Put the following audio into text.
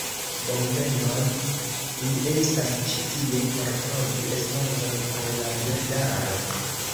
"Bonvenon. Ni estas ĉi tie por trovi estonton al la birdaro."